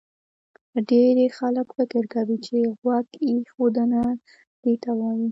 ډېری خلک فکر کوي چې غوږ ایښودنه دې ته وایي